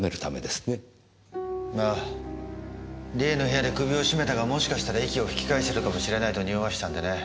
梨絵の部屋で首を絞めたがもしかしたら息を吹き返してるかもしれないとにおわせたんでね。